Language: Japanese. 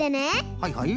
はいはい。